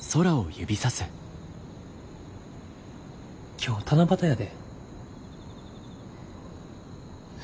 今日七夕やで。